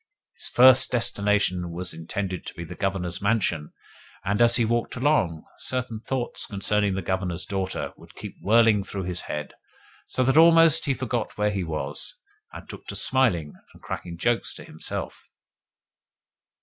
His first destination was intended to be the Governor's mansion, and, as he walked along, certain thoughts concerning the Governor's daughter would keep whirling through his head, so that almost he forgot where he was, and took to smiling and cracking jokes to himself.